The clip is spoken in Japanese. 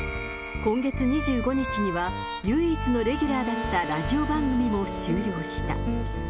今月２５日には、唯一のレギュラーだったラジオ番組も終了した。